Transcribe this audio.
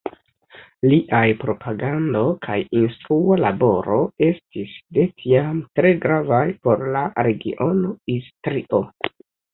Liaj propagando kaj instrua laboro estis de tiam tre gravaj por la regiono Istrio.